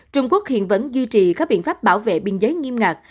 trung quốc hiện vẫn duy trì các biện pháp bảo vệ biên giới nghiêm ngặt